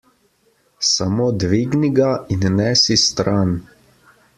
Samo dvigni ga in nesi stran.